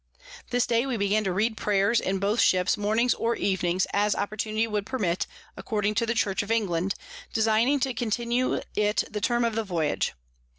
This day we began to read Prayers in both Ships Mornings or Evenings, as Opportunity would permit, according to the Church of England, designing to continue it the Term of the Voyage.